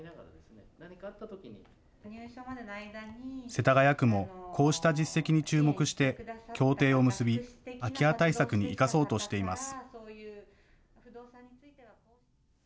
世田谷区もこうした実績に注目して協定を結び、空き家対策に生かそうとしています。